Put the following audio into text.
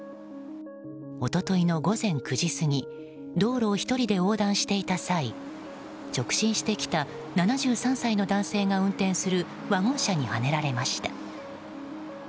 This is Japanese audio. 一昨日の午前９時過ぎ道路を１人で横断していた際直進してきた７３歳の男性が運転するワゴン車にはねられました。